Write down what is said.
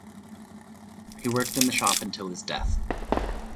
He worked in the shop until his death.